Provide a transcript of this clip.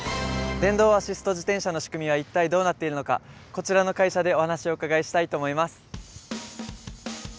電動アシスト自転車の仕組みは一体どうなっているのかこちらの会社でお話をお伺いしたいと思います。